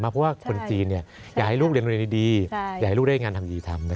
เพราะว่าคนจีนอยากให้ลูกเรียนโรงเรียนดีอยากให้ลูกได้งานทำอย่างนี้ทำ